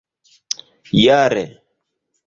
jare